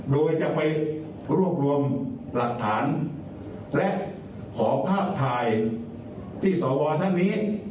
โดยจะไปรวบรวมหลักฐานและขอภาพถ่ายที่สวท่านนี้